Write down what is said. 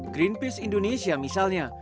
greenpeace indonesia misalnya